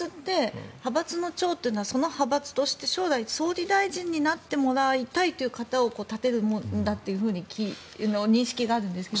派閥の長ってその派閥として将来、総理大臣になってもらいたいという方を立てるもんだという認識があるんですけど。